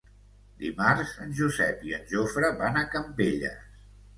Dimarts en Josep i en Jofre van a Campelles.